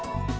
tìm tài sản